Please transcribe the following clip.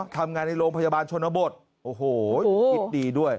ทำงานในโรงพยาบาลชนบทโอ้โหคิดดีด้วย